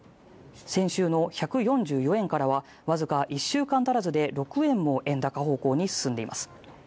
先週の１４４円からはわずか１週間足らずで６円も円高方向に進んでいます。